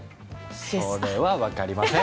それは分かりません。